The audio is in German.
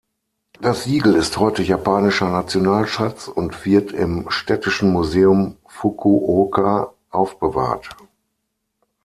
Das Siegel ist heute japanischer Nationalschatz und wird im Städtischen Museum Fukuoka aufbewahrt.